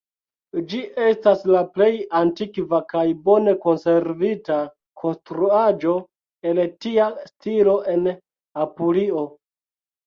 Ĝi estas la plej antikva kaj bone konservita konstruaĵo el tia stilo en Apulio.